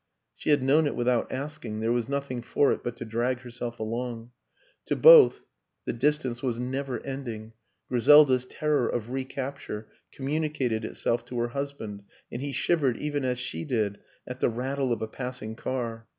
She had known it without asking; there was nothing for it but to drag herself along. To both the distance was never ending; Griselda's terror of recapture communicated itself to her husband, and he shivered even as she did at the rattle of a passing car.